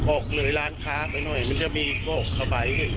ออกเหลือร้านค้าไปหน่อยมันจะมีก็ขบัย